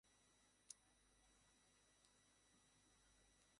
একটু সাহায্য কর।